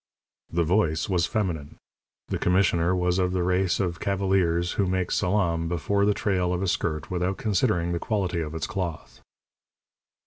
The voice was feminine; the commissioner was of the race of cavaliers who make salaam before the trail of a skirt without considering the quality of its cloth.